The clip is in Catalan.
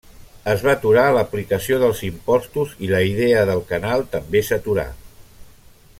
Es va aturar l'aplicació dels impostos i la idea del Canal també s'aturà.